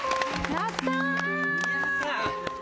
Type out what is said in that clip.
やったー。